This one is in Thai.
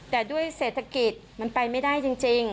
แต่ด้วยเศรษฐกิจมันไปไม่ได้จริง